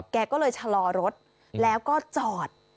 แกก็เลยชะลอรถแล้วก็จอด